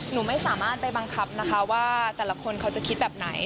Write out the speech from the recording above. หนูไม่สามารถไปบังคับนะคะว่าแต่ละคนเขาจะคิดแบบไหน